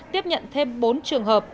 tiếp nhận thêm bốn trường hợp